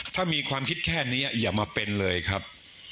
ถ้ามีความคิดแค่นี้อย่ามาเป็นเลยครับ